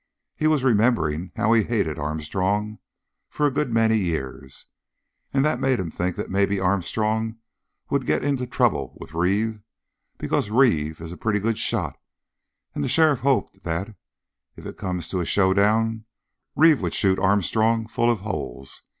He was remembering how he'd hated Armstrong for a good many years, and that made him think that maybe Armstrong would get into trouble with Reeve, because Reeve is a pretty good shot, and the sheriff hoped that, if it come to a showdown, Reeve would shoot Armstrong full of holes.